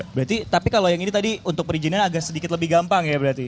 berarti tapi kalau yang ini tadi untuk perizinan agak sedikit lebih gampang ya berarti